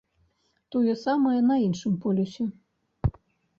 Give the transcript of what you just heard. Тое самае на іншым полюсе.